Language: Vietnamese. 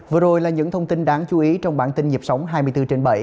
vừa rồi là những thông tin đáng chú ý trong bản tin dịp sóng hai mươi bốn trên bảy